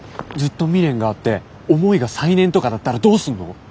ずっと未練があって思いが再燃とかだったらどうすんの？